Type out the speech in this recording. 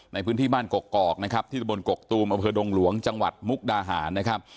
ในพื้นที่บ้านกกอกนะครับที่ตะบนกกตูมอำเภอดงหลวงจังหวัดมุกดาหารนะครับ